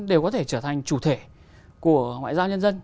đều có thể trở thành chủ thể của ngoại giao nhân dân